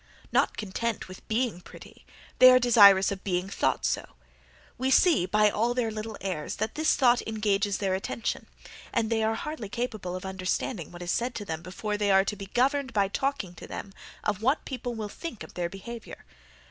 Not content with being pretty, they are desirous of being thought so; we see, by all their little airs, that this thought engages their attention; and they are hardly capable of understanding what is said to them, before they are to be governed by talking to them of what people will think of their behaviour.